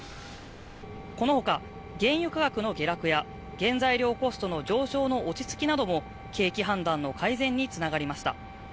この他、原油価格の下落や原材料コストの上昇の落ち着きなども景気判断の改善に繋がりました。